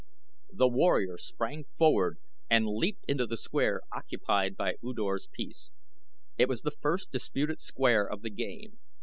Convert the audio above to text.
The warrior sprang forward and leaped into the square occupied by U Dor's piece. It was the first disputed square of the game.